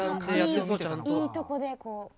いいとこでこう。